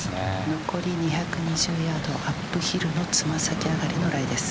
残り２２０ヤードアップヒルの爪先上がりのライです。